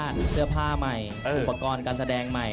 เสื้อผ้าใหม่อุปกรณ์การแสดงใหม่